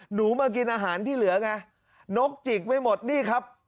หนูมากินอาหารที่เหลือไงนกจิกไม่หมดนี่ครับ